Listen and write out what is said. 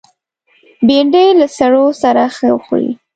بېنډۍ له سړو سره ښه خوري